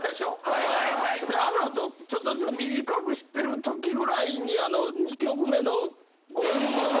・はい・であのあとちょっとずつ短くしてる時ぐらいに２曲目の。